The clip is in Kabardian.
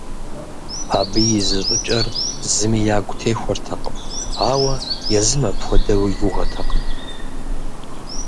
Абы и зыщӏыкӏэр зыми ягу техуэртэкъым, ауэ езым апхуэдэу и гугъэтэкъым.